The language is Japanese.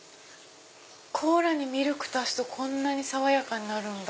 コーラにミルク足すとこんなに爽やかになるんだ。